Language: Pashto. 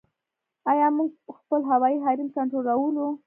آیا موږ خپل هوایي حریم کنټرولوو؟